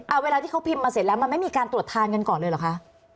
เอาเวลาที่เขาพิมพ์มาเสร็จแล้วมันไม่มีการตรวจทานกันก่อนเลยเหรอคะ